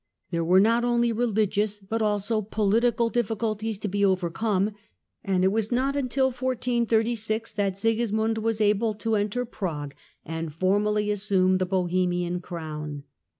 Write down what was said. There were not only religious but also political difficulties to be overcome, and it was not until 1436 that Sigismund was able to enter Prague Sigismund and formally assume the Bohemian crown.